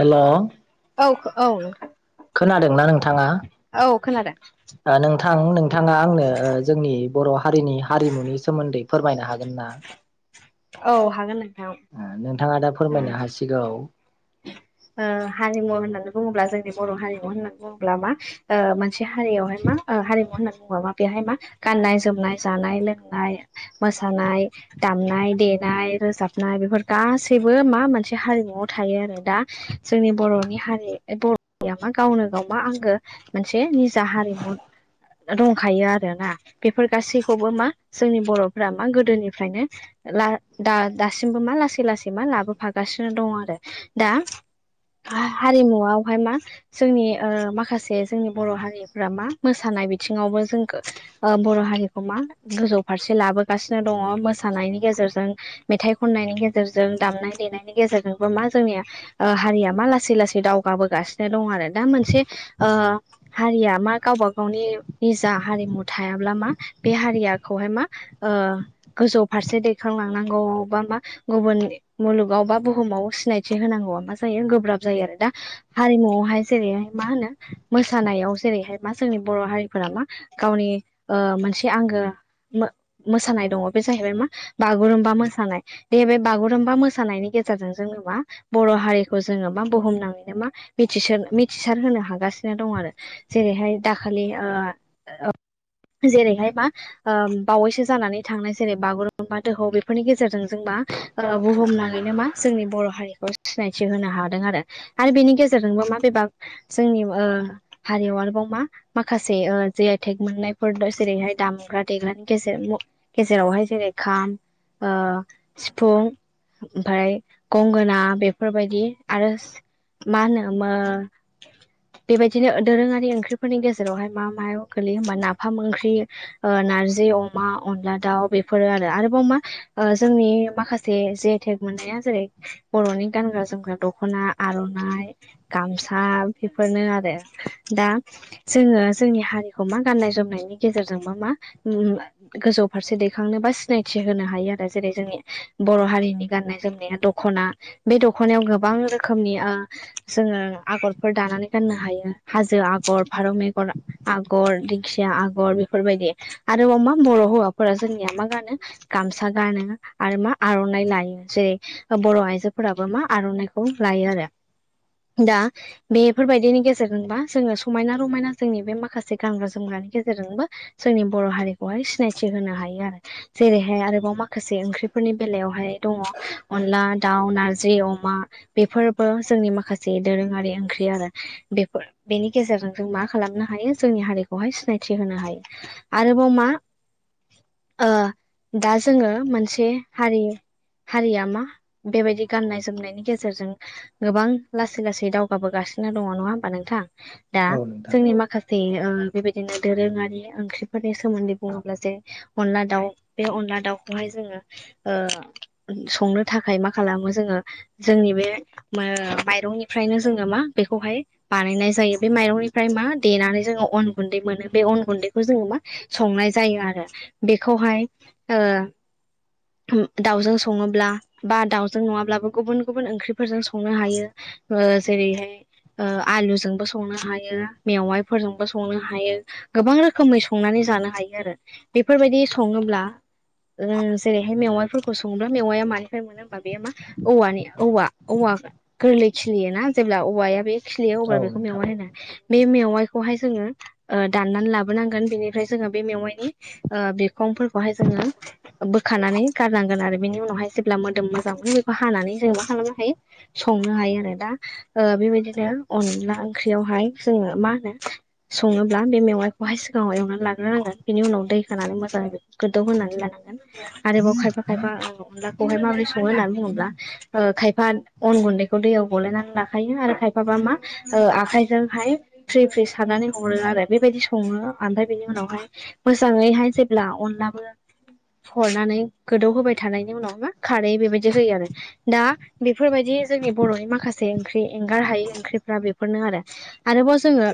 हेल' औ औ खोनादोंना नोंथांङा औ खोनादों नोंथां नोंथांङा आंनो जोंनि बर हारिनि हारिमुनि सोमोन्दै फोरमायनो हागोन ना औ हागोन नों उम नोंथाङा दा फोरमायनो हासिगौ। हारिमु होननानै बुंङोब्ला जोंनि बर हारिमु होननानै बुङोब्ला मा मोनसे हारियावहाय मा हारिमु होनना बुङोब मा बेहाय मा गाननाय जोमनाय जानाय लोंनाय मोसानाय दामनाय देनाय रोजाबनाय बेफोर गासैबो मा मोनसे हारिमुवआव थायो आरो दा जोंनि बर'नि हारि बर'या मा गावनो गाव मा आंगो मोनसे निजा हारिमु। [inaudible] दंखायो आरोना बेफोर गासैखौबो मा जोंनि बर'फोरा मा गोदोनिफ्रायनो ला दा-दासिमबो मा लासै लासै मा लाबोफागासिनो दङ आरो दा [inaudible] हा-हारिमुआवहाय मा जोंनि माखासे जोंनि बर' हारिफ्रा मा मोसानाय बिदि बिथिङावबो जों बर' हारिखौ मा गोजौ फारसे लाबोगासिनो दङ मोसानायनि गेजेर रजों मेथाइ खननायनि गेजेरजों दामनाय देनायनि गेजेरजोंबो मा जोंनिया हारिया मा लासै लासै दावगाबोगासिनो दं आरो दा मोनसे ओ हारिया मा गाव बा गाव गावनि निजा हारिमु थायाब्ला मा बे हारियाखौहाय मा ओ गोजौ फारसे दैखांलांनांगौ बा मा गुबुन मुलुगाव बा बुहुमाव सिनायथि होनांगौ मा जायो गोब्राब जायो आरो दा हारिमुवावहाय जेरैहाय मा होनो मोसानायाव जेरैहाय मा जोंनि बर' हारिफोरा मा गावनि ओ मोनसे आंगो मो-मोसानाय दङ बे जाहैबाय मा बागुरुम्बा मोसानाय बे जाहैबाय बागुरुम्बा मोसानायनि गे जेरजों जेनेबा बर' हारि खौ जोङो मा बुहुमनाङैनो मा मिथिसन-मिथिसार होनो हागासिनो दं आरो जेरैहाय दाखा लि ओ ओ जेरैहाय मा बावैसो जानानै थांनाय जेरै बागुरुम्बा दोहौ बेफोरनि गेजेरजों जोंबा मा बुहुमनाङैनो मा जोंनि बर' हारिखौ सिनाय थिहोनो हादों आरो आरो बेनि गेजेरजोंबो मा बे बा जोंनि ओ हारियाव आरोबाव मा माखासे ओ जि आइ टेक मोननायफोर जेरैहाय दामग्रा देग्रानि गेजेर मो गेजेरावहाय जेरै खाम ओ सिफुं ओमफ्राय गंगोना बे बेफोरबायदि आरो मा होनो मो बेबायदिनो दोरोङारि ओंख्रिफोरनि गेजेरावहाय मा मायाव गोलैयो होमबा नाफाम ओंख्रि नारजि अमा अनला दाउ बेफोर आरो आरोबाव मा जोंनि माखासेे जेथेर जेरै बर'नि गानग्रा जोमग्रा दख'ना आर'नाइ गामसा बेफोरनो आरो दा जोङो जोंनि हारिखौ मा गान्नाय जोमनायनि गेजेरजों मा मा गोजौ फारसे दै खांनो बा सिनायथि होनो हायो आरो जेरै जोंनि बर' हारिनि गान्नाय जोमनाया दख'ना। बे दख'नायाव गोबां रोखोमनि ओ जोङो आगरफोर दानानै गाननो हायो हाजो आ गर फारौ मेगर आगर दिंखिया आगर बेफोरबायदि आरोबाव मा बर' हौवाफोरासो जोंनिया मा गानो गामसा गानो आरो मा आर'नाइ लायो जेरै बर' आइजो फोराबो मा आर'नाइखौ लायो आरो। दा बेफोरबायदिनि गेजेरजोंबा जोङो समायना रमायना जोंनि बे माखासे गानग्रा जोमग्रा गेजेरजोंबो जोंनि बर' हारिखौहाय सिनायथि होनो हायो आरो जेरैहाय आरोबाव माखासे ओं ख्रिफोरनि बेलायावहाय दङ अनला दाउ नार जि अमा बेफोरबो जोंनि माखासे दोरोङारि ओंख्रि आरो बेफोर बेनि गेजेर रजों मा खालामनो हायो जोंनि हारिखौहाय सिनायथि होनो हायो आरोबाव मा [inaudible] ओ दा जोङो मोनसे हारि हारिया मा बेबायदि गाननाय जोमनायनि गेजेरजों गोबां लासै लासै दावगाबोगासिनो दङ नङा होमबा नोंथां। दा औ नोंथां जोंनि माखासे बेबायदिनो दोरोङारि ओंख्रिफोरनि सोमोन्दै बुङोब्ला जे अनला दाउ बे अनला दाउ खौहाय जोङो ओ संनो थाखाय मा खालामो जोङो जोंनि बे माइरंनिफ्रायनो जोङो मा बेखौहाय बानायनाय जायो बे माइरंनिफ्राय मा देनानै जोङो अन गुन्दै मोनो बे अन गुन्दैखौ जोङो मा संनाय जायो आरो बेखौहाय दाउजों सङोब्ला बा दाउ जों नङाब्लाबो गुबुन गुबुन ओंख्रिफोरजों संनो हायो ओ जेरैहाय आखुजों सं नो हायो मेवाइफोरजोंबो संनो हायो गोबां रोखोमै संनानै जानो हायो आरो। बेफोरबायदि सङोब्ला ओ जेरैहाय मेवाइफोरखौ सङोब्ला मेवाया मानिफ्राय मोनो बे मा औवानि औवा औवा गोरलै खिलियो ना जेब्ला औवाया बे खिलिया औ अब्ला बेखौ नोंथां मेवा होना बे मेवा वाइ खौहाय जोङो ओ दाननानैनि लाबोनांगोन बिनिफ्राय जोङो बे मेवाइनि ओ बिरखंफोरखौ हाय जोङो बोखानानै गारनांगोन आरो बेनि उनावहाय जेब्ला मोदोम जों बेखौ हानानै जों मा खालामनो हायो संनो हायो आरो दा बेबायदिनो अनला ओंख्रियावहाय जोङो मा होनो सङोब्ला बे मेवाइखौहाय सिगाङाव एवनानै लाग्रोनांगोन बेनि उनाव दै होनानै मोजाङै गोदौ होनानै लानांगोन आरोबाव खायफा खायफा अनलाखौहाय माबोरै सङो होननानै बुङोब्ला खायफा अन गुन्दैखौ दैयाव गलायनानै लाखायो आरो खायफा बा मा आखाइजोंहाय फ्रि फ्रि सारनानै हरो आरो बेबायदि सङो ओमफ्राय बेनि उनावहाय मो जाङैहाय जेब्ला अनलाबो हरनानै गोदौ होबाय थानायनि उनाव खारै बेबायदि होयो आरो दा बेफोरबायदि जोंनि बर'नि माखासे ओंख्रि एंगार हायै ओंख्रिफ्रा बे फोरनो आरो आरोबाव जोङो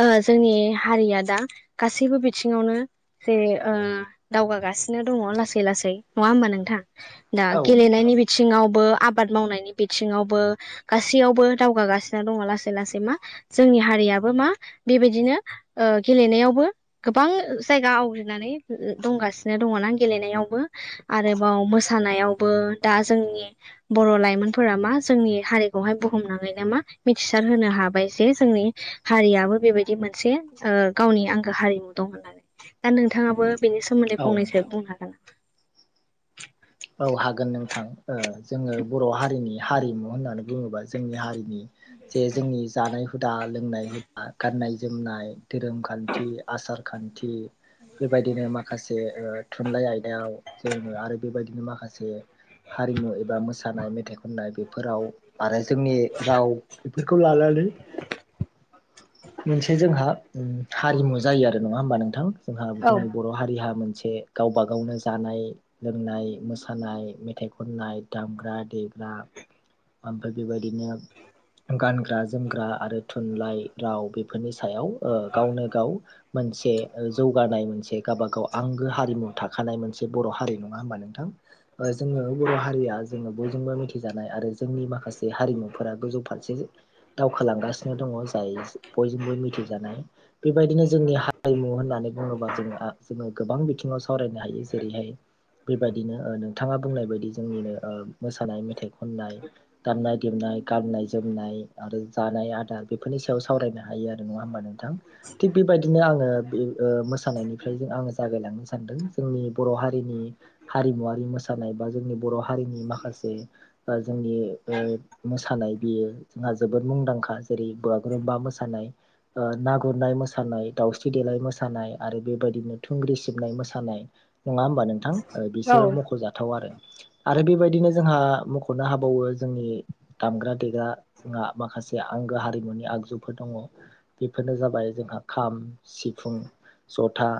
ओ जोंनि हारिया दा गासैबो बिथिङावनो जे दावगागासिनो दङ लासै लासै नङा होमबा नोंथां दा औ नोंथां गेलेनायनि बिथिङाव बो आबाद मावनायनि बिथिावबो गासैयावबो दावगागासिनो दङ लासै लासै मा जों नि हारियाबो मा बेबायदिनो गेलेनायावबो गोबां जायगा आवग्रिनानै दंगासिनो दङा गेलेनायावबो आरोबाव मो सानायावबो दा जोंनि बर' लाइमोनफोरा मा जोंनि हारिखौहाय बुहुमनाङैनो मा मिथिसार होनो हाबाय जे जोंनि हारियाबो बेबायदि मोनसे गावनि आंगो हारिमु दं होननानै दा नोंथाङाबो बेनि सोमोन्दै औ नोंथां फंनैसो बुंनो हागोन नामा? औ हागोन नोंथां ओ जोङो बर' हारिनि हारिमु होननानै बुङोबा जोंनि हारिनि जे जोंनि जानाय हुदा लोंनाय हुदा गाननाय जोमनाय धोरोम खान्थि आसार खान्थि बेबायदिनो माखासे थुनलाइ आयदायाव जोङो आरो बेबायदि नों माखासे हारिमु एबा मोसानाय मेथाइ खननाय बेफोराव आरो जोंनि राव औ बेफोरखौ लानानै [inaudible] मोनसे जोंहा हारिमु जायो आरो नङा होमबा नोंथां जोंहा जोंनि बर' हारिहा मोनसे गावबा गावनो जानाय लोंनाय मोसानाय मेथाइ खननाय दामग्रा देग्रा आमफ्राय बेबायदिनो गानग्रा जोमग्रा आरो थुनलाइ राव बेफोरनि सायाव ओ गावनो गाव मोनसे जौगानाय मोनसे गावबागाव आंगो हारिमु थाखानाय मोनसे बर' हारि नङा होमबा नोंथां ओ जोङो बर' हारिया जोङो बयजोंबो मिथिजानाय आरो जोंनि माखासे हारिमुफोरा गोजौ फार से दावखालांगासिनो दङ जाय बयजोंबो मिथिजानाय बेबायदिनो जोंनि हारिमु होनना नै बुङोब्ला जों ओ जोङो गोबां बिथिंआव सावनो हायोे जेरैहाय बेबा दिनो ओ नोंथाङा बुंनाय बायदि जोंनिनो ओ मोसानाय मेथाइ खननाय दामनाय देनाय गामनाय नाय आरो जानाय आदार बेफोरनि सायाव सावरायनो हायो आरो नङा हबा नोंथां थि बेबायदिनो आङो बे मोसानायनिफ्राय आङो जागायलांनो सानदों जोंनि बर' हारिनि हारिमुवरारि मोसानाय बा जोंनि बर' हारिनि माखासे जोंनि ओ मोसानाय बेयो जोंहा जोबोद मुंदांखा जेरै बागुरुमबा मोसानाय ओ ना गुरनाय मोसानाय दावस्रि देलाय मोसानाय आरो बेबायदिनो थुंग्रि सिबनाय मोसानाय नङा होमबा नोंथां ओ बिसोरो मख'जाथाव आरो आरो बेबायदिनो जोंहा मख'नो हाबावो जोंनि दामग्रा देग्रा जोंहा माखा से आंगो हारिमुनि आगजुफोर दङ बेफोरनो जाबाय जोंहा खाम सिफुं जथा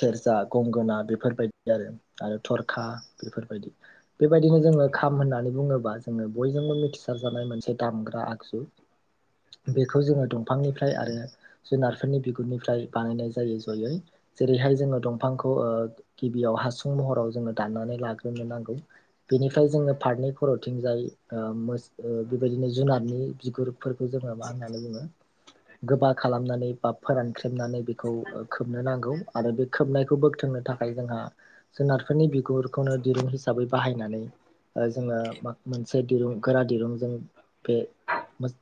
सेरजा गंगोना बेफोर बायदि आरो थरखा बेफोरबायदि बेबायदिनो जोङो खाम होननानै बुङोबा जोङो बयजोंबो मिथिसारजानाय मोनसे दामग्रा आगजु बेखौ जोङो दंफांनिफ्राय आरो जुनारफोरनि बिगुरनिफ्राय बानायनाय जायो जयै। जेरैहाय जोङो दंफांखौ ओ गिबियाव हासुं महराव जोङो दाननानै लाग्रोनो नांगौ बेनिफ्राय जोङो फारनै खर'थिंजाय ओ मोस- बेबायदिनो जुनारनि बिगुरफोरखौ जोङो मा होननानै बुङो गोबा खालामनानै बा फोरानख्रेबनानै बेखौ खोबनो नांगौ आरो बे खोबनायखौ बोगथोंनो था खाय जोंहा जुनारफोरनि बिगुरखौनो दिरुं हिसाबै बाहायनानै ओ जोङो मो-मोनसे दिरुं गोरा दिरुं जों बे मो-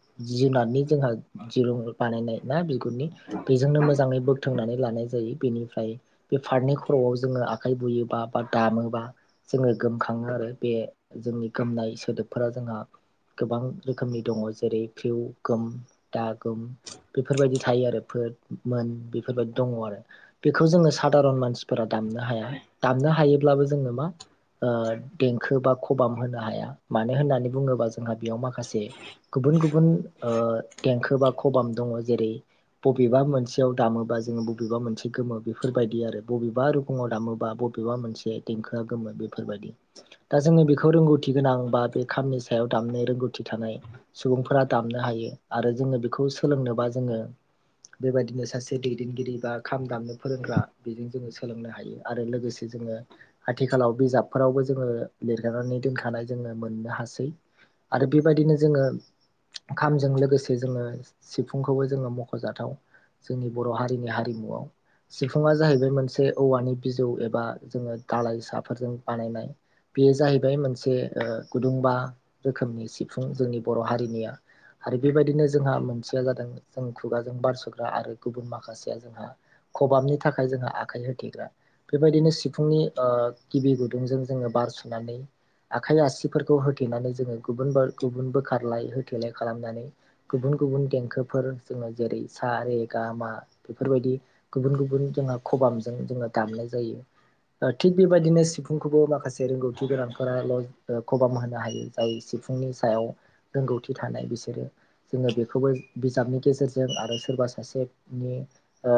जुनारनि जोंहा दिरुं बानायनाय ना बिगुरनि बेजोंनो मोजाङै बोगथों नानै लानाय जायो बेनिफ्राय बे फारनै बा बा दामोबा जोङो गोमखाङो आरो बे जोंनि गोमनाय सोदोबफोरा जोंहा गोबां रोखोमनि दङ जेरै फिउ गोम दा गोम बेफोरबायदि थायो आरो फोद मोन बेफोरबायदि दङ आरो बेखौ जोङो सादारन फोर दामनो हाया दामनो हायोब्लाबो जोङो मा ओ देंखो बा खबाम होनो हाया मानो होननानै बुङोबा जोंहा बेयाव माखासे गुबुन गुबुन ओ देंखो बा खबाम दङ जेरै बबेबा मोनसेयाव दामोबा जोङो बबेबा मोनसे गोमो बेफोरबायदि आरो बबेबा रुगुङाव दामोबा बबेबा मोनसे देंखोआ गोमो बेफोरबायदि। दा जोङो बेखौ रोंगौथि गोनां बा बे खामनि सायाव दामनो रोंगौथि थानाय सुबुंफोरा दामनो हायो, आरो जोङो बेखौ‍ सोलोंनोबा जोङो बेबायदिनो सासे दैदेनगिरि बा खाम दामनो फोरोंग्रा बेजों जोङो सोलोंनो हायो आरो लोगोसे जोङो आथिखालाव बिजाबफोरावबो जोङो लिरनानै दोनखानाय जोङो मोननो हासै आरो बेबायदिनो जोङो खामजों लोगोसे जोङो सिफुंखौबो जोङो मख'जाथाव जोंनि बर' हारिनि हारिमुआव सिफुङा जाहैबाय मोनसे औवानि बिजौ एबा जोङो दालइसाफोरजों बानायनाय बेयो जाहैबाय मोनसे ओ गुदुंबा रोखोमनि सिफुं जोंनि बर' हारिनिया। आरो बेबायदिनो जोंहा मोनसेया जादों जों खुगाजों बारसोग्रा आरो गुबुन माखासेया जोंहा खबामि थाखाय जोंहा आखाइ होथेग्रा बेबायदिनो सिफुंनि ओ गिबि गुदुंजों जोङो बार सुनानै आखाइ आसिफोरखौ होथेनानै जोङो गुबुन बो- गुबुन बोखारलाय होथेलाय खालामनानै गुबुन गुबुन गुबुन देंखोफोर जोङो जेरै सा रे गा‌ मा बेफोरबायदि गुबुन गुबुन जोंहा खबामजों जोङो दामनाय जायो। ओ थिग बेबायदिनो सुफुंखौबो माखासे रोंगौथि गोनांफोराल' खबाम होनो हायो जाय सिफुंनि सायाव रोंगौथि थानाय बिसोरो जोङो बेखौबो बिजाबनि गेजेरजों आरो सोरबा सासेनि ओ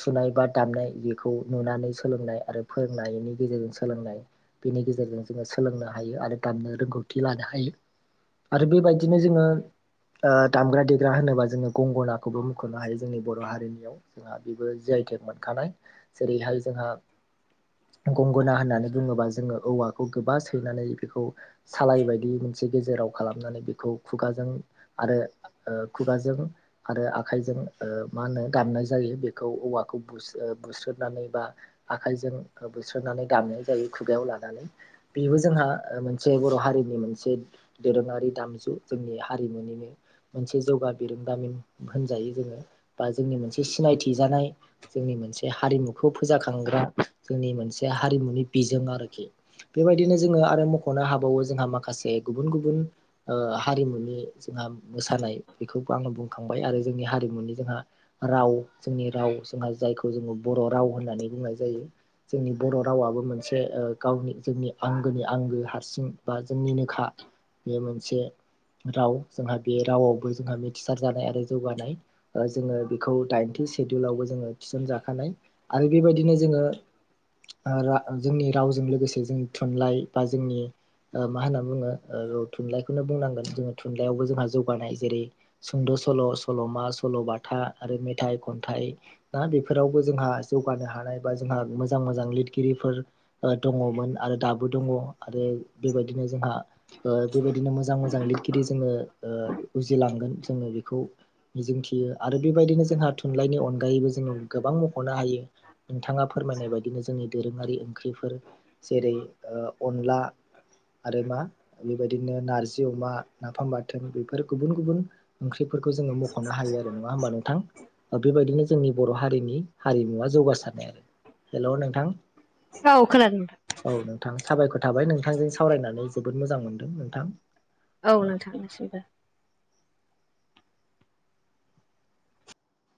सुनाय बा दामनाय बेखौ नुनानै सोलोंनाय आरो फोरोंनायनि गेजेरजों सोलोंनाय बेनि गेजेरजों जोङो सोलोंनो हायो आरो दामनो रोंगौथि लानो हायो। आरो बेबायदिनो जोङो ओ दामग्रा देग्रा होनोबा जोङो गंगनााखौबो मुख'नो हायो जोंनि बर' हारिनियाव जोंहा बेबो जि आइ‌ टेग मोनखानाय जेरैहाय जोंहा गंगोनना होननानै बुङोबा जोङो औवाखौ गोबा सैनानै बेखौ सालाय बायदि मोनसे मोनसे गेजेराव खालामनानै बेखौ खुगाजों आरो खुगाजों आरो आखाइजों ओ मा होनो दामनाय जायो बे खौ औवाखौ बुसो- ओ बुस्रोदनानै बा आखायजों बुस्रोदनानै दामनाय जायो खुगायाव बेबो जोंहा मोनसे बर' हारिनि मोनसे दोरोङारि दामजु जोंनि हा रिनिनो मोनसे जौगा बिरोंदामिन होनजायो जोङो बा जोंनि मोनसे सिनायथि जानाय जोंनि मोनसे हारिमुखौ फोजाखांग्रा जोंनि मोनसे हारिमुनि बिजों आरो [unintelligible] बेबायदिनो जोङो आरो मख'नो हाबावो जोंहा माखासे गुबुन गुबुन ओ हारिमुनि बे जोंहा मोसानाय बेखौबो आङो बुंखांबाय आरो जोंनि हारिमुनि जोंहा राव जोंनि राव जोंहा जायखौ जोङो बर' राव होननानै बुंनाय जायो। जोंनि बर' रावाबो मोनसे गावनि जोंनि आंगोनि आंगो हारसिं बा जोंनिनोखा बे मोनसे। राव जोंहा बे रावावबो जोंहा मिथिसार जानाय आरो जौगानाय जोङो बेखौ दाइन सेडुलावबो जोङो थिसन जाखानाय आरो बेबायदिनो जोङो जोंनि रावजों लोगोसे जोंनि थुनलाइ बा जोंनि मा होनना बुङो थुनलाइखौनो बुंनांगोन जोङो थुनलाइयावबो जोंहा जौगानाय जेरै सुंद' सल' सल'मा सल' बाथा आरो म मेथाइ खन्थाइ ना बेफोरावबो जोंहा जौगानो हानाय बा जोंहा मोजां मोजां लिरगिरिफोर दङमोन आरो दाबो दङ आरो बेबायदिनो जोंहा बेबायदिनो मोजां मोजां लिरगिरि जोङो उजिलांगोन जोङो बेखौ मिजिं थियो आरो बेबायदिनो जोंहा थुनलाइनि अनगायैबो जोङो गोबां मख'नो हायो। नोंथाङा फोरमायनाय बायदिनो जोंनि दोरोङारि ओंख्रिफोर जेरै अनला आरो मा बेबायदिनो नारजि अमा नाफाम बाथोन बेफोर गुबुन गुबुन ओंख्रि बेफोरखौ जोङो मख'नो हायो आरो नङा होमबा नोंथां। बेबायदिनो जोंनि बर' हारिनि हारिमुयी जौगासारनाय आरो हेल' नोंथां। औ खोनादों औ नोंथां। नोंथां साबायखर थाबाय नोंथांजों सावरायनानै जोबोद मोजां मोनदों नोंथां। औ नों थांनोसिमबो।